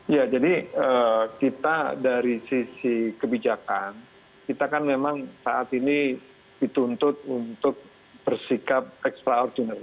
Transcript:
ya jadi kita dari sisi kebijakan kita kan memang saat ini dituntut untuk bersikap extraordinary